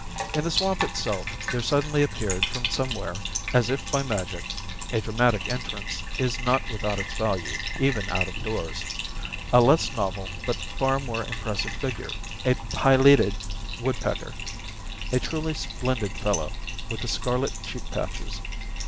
In the swamp itself, there suddenly appeared from somewhere, as if by magic (a dramatic entrance is not without its value, even out of doors), a less novel but far more impressive figure, a pileated woodpecker; a truly splendid fellow, with the scarlet cheek patches.